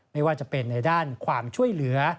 ไม่ว่าจะเป็นในด้านความช่วยเหลือ